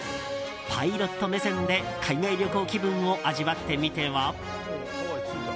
パイロット目線で海外旅行気分を味わってみては？